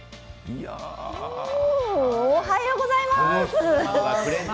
おはようございます。